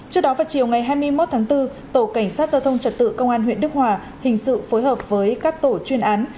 trước đó vào chiều ngày hai mươi một tháng bốn tổ cảnh sát giao thông trật tự công an huyện đức hòa hình sự phối hợp với các tổ chuyên án